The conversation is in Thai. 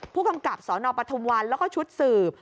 ผู้กำกับสนปทุมวันแล้วก็ชุดสืบ